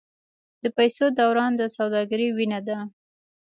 د پیسو دوران د سوداګرۍ وینه ده.